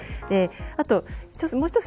あともう一つ